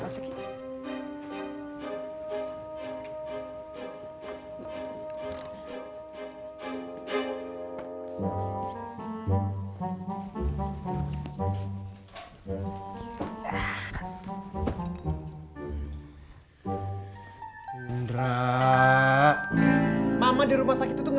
sekarang aja besok baliknya